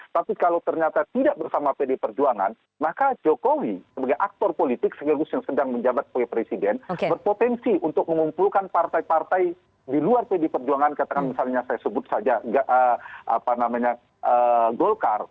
tapi kalau ternyata tidak bersama pd perjuangan maka jokowi sebagai aktor politik sekaligus yang sedang menjabat sebagai presiden berpotensi untuk mengumpulkan partai partai di luar pd perjuangan katakan misalnya saya sebut saja golkar